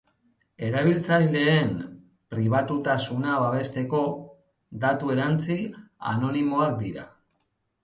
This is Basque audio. Erabiltzaileen pribatutasuna babesteko, datu erantsi anonimoak dira.